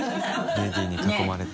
レディーに囲まれて。